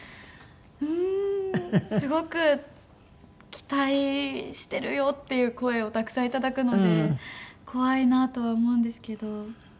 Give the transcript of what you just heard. うーんすごく期待してるよっていう声をたくさんいただくので怖いなとは思うんですけど。